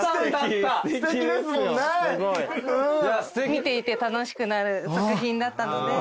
見ていて楽しくなる作品だったので。